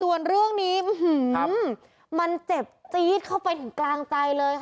ส่วนเรื่องนี้มันเจ็บจี๊ดเข้าไปถึงกลางใจเลยค่ะ